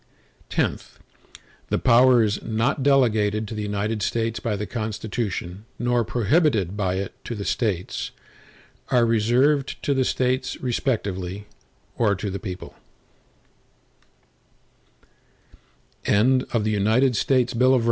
X The powers not delegated to the United States by the Constitution, nor prohibited by it to the States, are reserved to the States respectively, or to the people.